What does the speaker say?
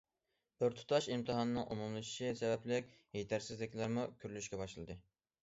بىر تۇتاش ئىمتىھاننىڭ ئومۇملىشىشى سەۋەبلىك، يېتەرسىزلىكلەرمۇ كۆرۈلۈشكە باشلىدى.